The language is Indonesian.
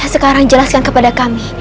sekarang jelaskan kepada kami